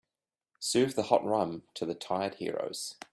Serve the hot rum to the tired heroes.